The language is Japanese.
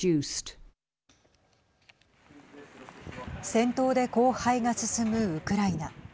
戦闘で荒廃が進むウクライナ。